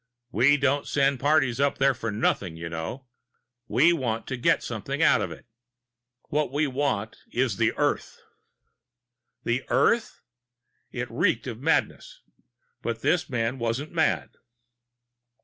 "We don't send parties up there for nothing, you know. We want to get something out of it. What we want is the Earth." "The Earth?" It reeked of madness. But this man wasn't mad.